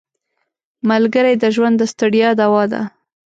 ملګری د ژوند د ستړیا دوا ده